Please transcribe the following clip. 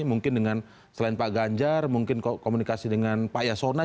mungkin dengan selain pak ganjar mungkin komunikasi dengan pak yasona